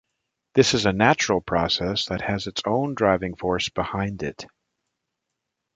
This is a natural process that has its own driving force behind it.